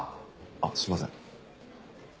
あっすいません。